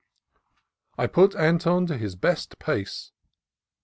I put Anton to his best pace.